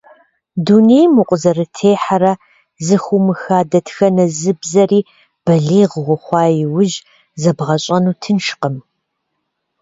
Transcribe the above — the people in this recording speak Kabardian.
Дунейм укъызэрытехьэрэ зэхыумыха дэтхэнэ зы бзэри балигъ ухъуа иужь зэбгъэщӀэну тыншкъым.